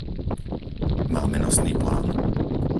Máme nosný plán?